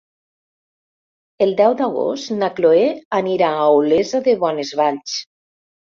El deu d'agost na Chloé anirà a Olesa de Bonesvalls.